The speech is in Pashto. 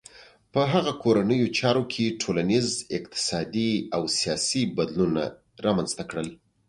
هغه په کورنیو چارو کې ټولنیز، اقتصادي او سیاسي بدلونونه رامنځته کړل.